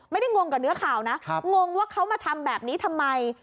งงกับเนื้อข่าวนะงงว่าเขามาทำแบบนี้ทำไม